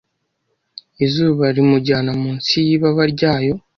izuba rimujyana munsi y’ibaba ryaryo